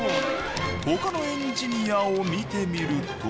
他のエンジニアを見てみると。